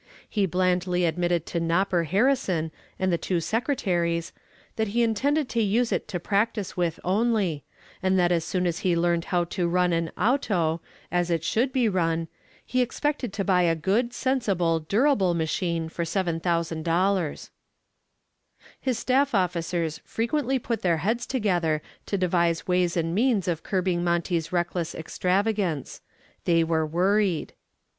He blandly admitted to "Nopper" Harrison and the two secretaries that he intended to use it to practice with only, and that as soon as he learned how to run an "auto" as it should be run he expected to buy a good, sensible, durable machine for $7,000. His staff officers frequently put their heads together to devise ways and means of curbing Monty's reckless extravagance. They were worried.